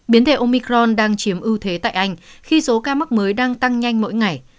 biến thể omicron đang chiếm ưu thế tại anh khi số ca mắc mới đang tăng nhanh mỗi ngày